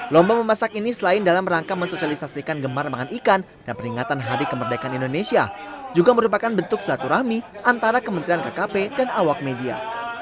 lomba memasak ini selain dalam rangka mensosialisasikan gemar makan ikan dan peringatan hari kemerdekaan indonesia juga merupakan bentuk selaturahmi antara kementerian kkp dan awak media